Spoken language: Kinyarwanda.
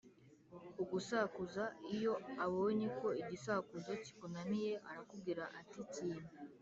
Ugusakuza iyo abonye ko igisakuzo kikunaniye arakubwira ati kimpe